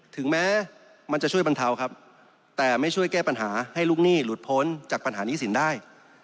ถึงแม้มันจะช่วยบรรเทาครับแต่ไม่ช่วยแก้ปัญหาให้ลูกหนี้หลุดพ้นจากปัญหาหนี้สินได้